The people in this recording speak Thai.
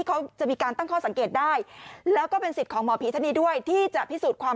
เขาจะมีการตั้งข้อสังเกตได้แล้วก็เป็นสิทธิ์ของหมอผีท่านนี้ด้วยที่จะพิสูจน์ความ